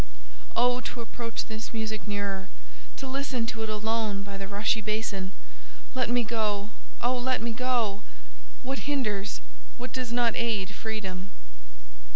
Oh, to approach this music nearer, to listen to it alone by the rushy basin! Let me go—oh, let me go! What hinders, what does not aid freedom?